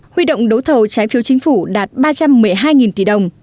huy động đấu thầu trái phiếu chính phủ đạt ba trăm một mươi hai tỷ đồng